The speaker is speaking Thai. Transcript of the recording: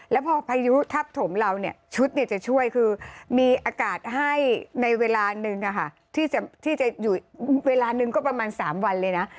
แล้วพอพายุทับถมเราเนี่ยชุดจะช่วยคือมีอากาศให้ในเวลานึงที่จะอยู่เวลานึงก็ประมาณ๓วันเลยนะ